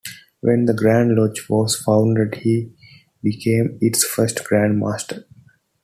When the Grand Lodge was founded he became its first Grand Master.